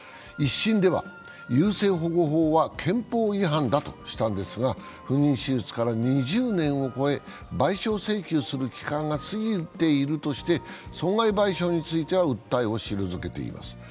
１審では優生保護法は憲法違反だとしたのですが、不妊手術から２０年を超え賠償請求する期間が過ぎているとして損害賠償については訴えを退けています。